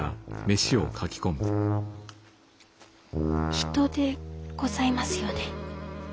人でございますよね？